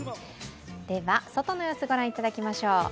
外の様子、ご覧いただきましょう。